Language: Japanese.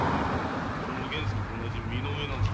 おれも源助と同じ身の上なんだぜ。